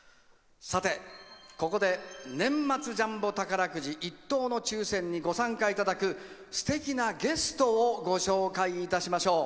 ここで年末ジャンボ宝くじ１等の抽せんにご参加いただくすてきなゲストをご紹介しましょう。